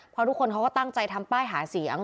เพราะทุกคนเขาก็ตั้งใจทำป้ายหาเสียง